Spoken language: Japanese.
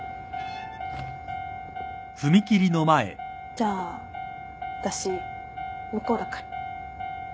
じゃあ私向こうだから。